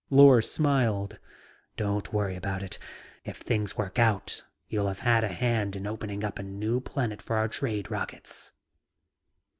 Lors smiled. "Don't worry about it. If things work out, you'll have had a hand in opening up a new planet for our trade rockets."